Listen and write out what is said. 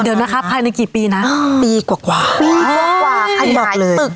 เดี๋ยวนะคะภายในกี่ปีนะปีกว่าปีกว่ากว่าขยับตึก